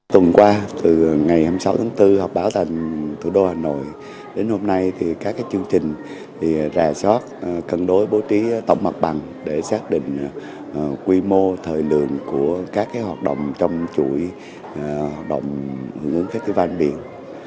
tuần qua từ ngày hai mươi sáu tháng bốn họp báo thành thủ đô hà nội đến hôm nay các chương trình rà soát cân đối bố trí tổng mặt bằng để xác định quy mô thời lượng của các hoạt động trong chuỗi hoạt động hưởng ứng festival biển